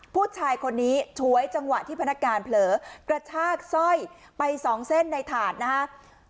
ผู้ชายคนนี้ฉวยจังหวะที่พนักงานเผลอกระชากสร้อยไปสองเส้นในถาดนะครับ